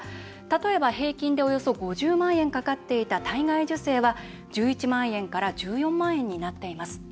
例えば、平均でおよそ５０万円かかっていた体外受精は１１万円から１４万円になっています。